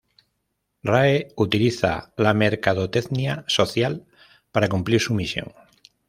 Rae utiliza la mercadotecnia social para cumplir su misión.